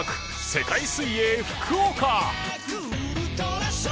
世界水泳福岡